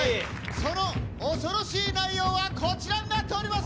その恐ろしい内容はこちらになっています。